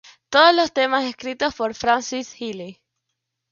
Todos los temas escritos por Francis Healy.